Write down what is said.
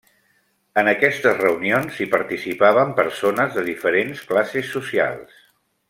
En aquestes reunions hi participaven persones de diferents classes socials.